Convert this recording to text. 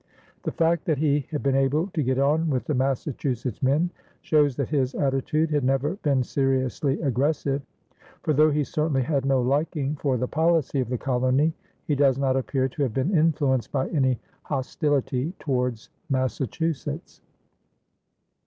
The fact that he had been able to get on with the Massachusetts men shows that his attitude had never been seriously aggressive, for though he certainly had no liking for the policy of the colony, he does not appear to have been influenced by any hostility towards Massachusetts.